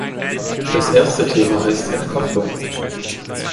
Das erste Thema heißt Entkopplung.